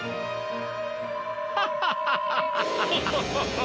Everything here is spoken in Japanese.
ハハハハハ！